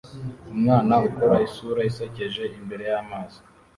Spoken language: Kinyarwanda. Umwana ukora isura isekeje imbere y'amazi